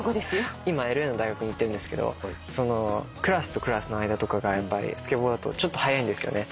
今ＬＡの大学に行ってるんですけどクラスとクラスの間とかがスケボーだと速いんですよね。